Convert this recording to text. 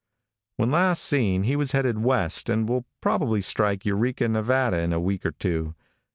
When last seen he was headed west, and will probably strike Eureka, Nevada, in a week or two.